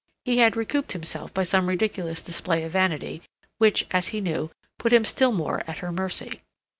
He had recouped himself by some ridiculous display of vanity which, as he knew, put him still more at her mercy.